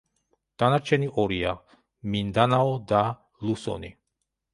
დანარჩენი ორია: მინდანაო და ლუსონი.